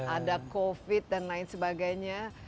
ada covid dan lain sebagainya